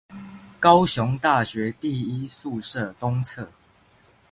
高雄大學第一宿舍東側